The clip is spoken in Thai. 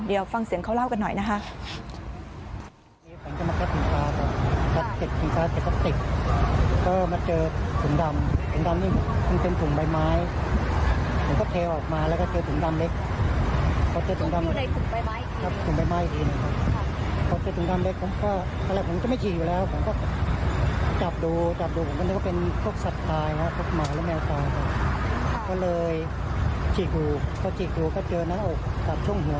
เดี๋ยวฟังเสียงเขาเล่ากันหน่อยนะคะ